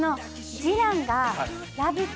次男が「ラヴィット！」